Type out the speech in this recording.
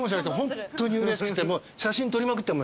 ホントにうれしくて。